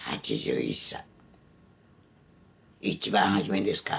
一番初めですか？